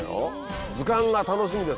図鑑が楽しみですよ。